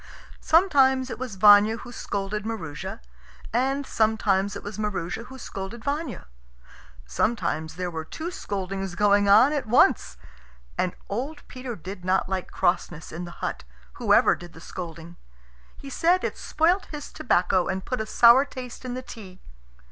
Sometimes it was Vanya who scolded Maroosia, and sometimes it was Maroosia who scolded Vanya. Sometimes there were two scoldings going on at once. And old Peter did not like crossness in the hut, whoever did the scolding. He said it spoilt his tobacco and put a sour taste in the tea.